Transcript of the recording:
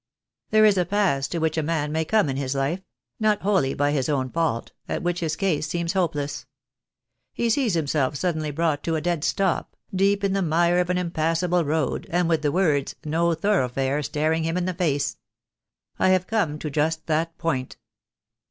There is a pass to which a man may come in his life — not wholly by his own fault — at which his case seems hopeless. He sees himself suddenly brought to a dead stop, deep in the mire of an impassable road, and with the words 'No thoroughfare' staring him in the face. I have come to just that point."